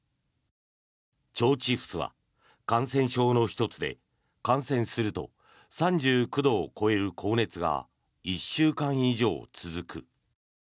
腸チフスは感染症の１つで感染すると３９度を超える高熱が１週間以上続く。